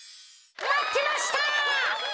まってました。